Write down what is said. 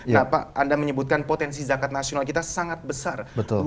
nah pak anda menyebutkan potensi zakat nasional kita sangat besar